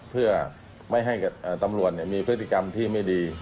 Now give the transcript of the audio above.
เพื่อไม่ให้ตำรวจมีพฤติกรรมที่ไม่ดี